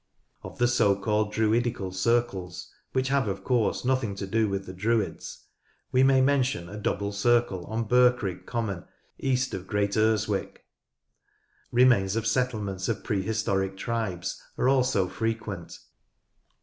Of the so called "Druidical Circles," which have, of course, nothing to do with the Druids, we may mention a double circle on Birkrigg Common, east of Great Urswick. Remains of settlements of prehistoric tribes are also frequent.